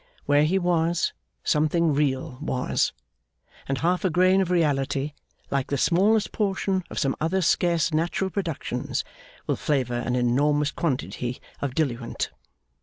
Where he was, something real was. And half a grain of reality, like the smallest portion of some other scarce natural productions, will flavour an enormous quantity of diluent.